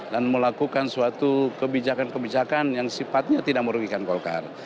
dan melakukan suatu kebijakan kebijakan yang sifatnya tidak merugikan golkar